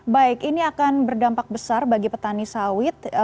baik ini akan berdampak besar bagi petani sawit